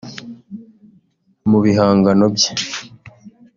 Mu bihangano bye